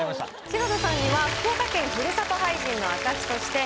篠田さんには福岡県ふるさと俳人の証しとして。